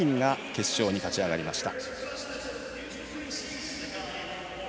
８人が決勝に勝ち上がりました。